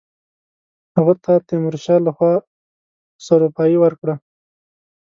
هغه ته د تیمورشاه له خوا سروپايي ورکړه.